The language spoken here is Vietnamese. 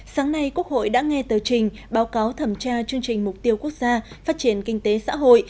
sáng nay quốc hội đã nghe tờ trình báo cáo thẩm tra chương trình mục tiêu quốc gia phát triển kinh tế xã hội